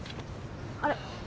あれ？